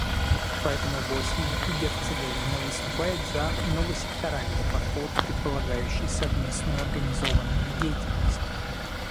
Поэтому Босния и Герцеговина выступает за многосекторальный подход, предполагающий совместную организованную деятельность.